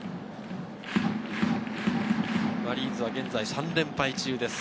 マリーンズは現在３連敗中です。